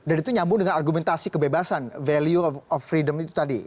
dan itu nyambung dengan argumentasi kebebasan value of freedom itu tadi